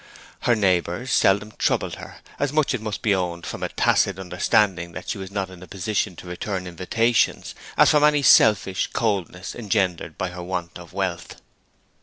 Her neighbours seldom troubled her; as much, it must be owned, from a tacit understanding that she was not in a position to return invitations as from any selfish coldness engendered by her want of wealth.